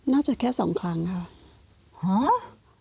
น่าจะแค่สองครั้งค่ะ